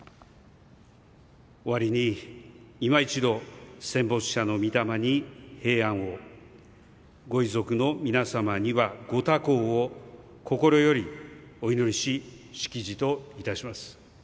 終わりに、いま一度戦没者の御霊に平安をご遺族の皆様にはご多幸を心よりお祈りし式辞といたします。